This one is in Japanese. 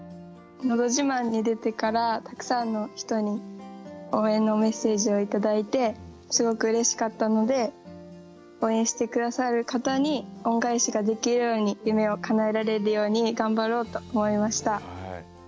「のど自慢」に出てからたくさんの人に応援のメッセージを頂いてすごくうれしかったので応援して下さる方に恩返しができるように夢をかなえられるように頑張ろうと思いました。